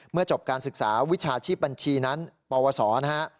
จบการศึกษาวิชาชีพบัญชีนั้นปวสนะฮะ